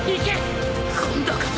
今度こそ